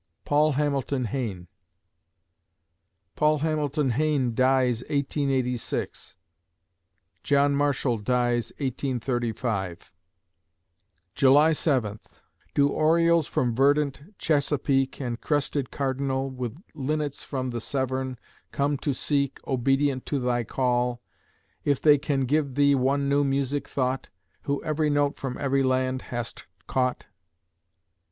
PAUL HAMILTON HAYNE Paul Hamilton Hayne dies, 1886 John Marshall dies, 1835 July Seventh Do orioles from verdant Chesapeake, And crested cardinal, With linnets from the Severn, come to seek, Obedient to thy call, If they can give thee one new music thought, Who ev'ry note from ev'ry land hast caught?